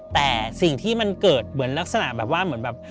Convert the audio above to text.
แต่สิ่งที่มันเกิดเหมือนลักษณะแบบว่า